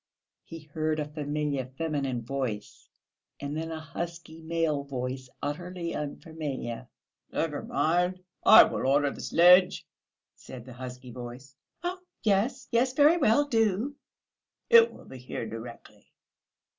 He heard a familiar feminine voice and then a husky male voice, utterly unfamiliar. "Never mind, I will order the sledge," said the husky voice. "Oh, yes, yes; very well, do...." "It will be here directly."